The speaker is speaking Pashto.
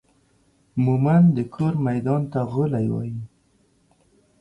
مومند دا کور ميدان ته غولي وايي